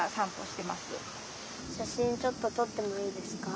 しゃしんちょっととってもいいですか。